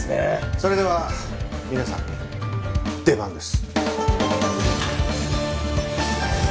それでは皆さん出番です。